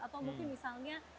atau mungkin misalnya